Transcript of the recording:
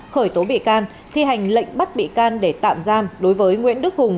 khởi tố bị can thi hành lệnh bắt bị can để tạm giam đối với nguyễn đức hùng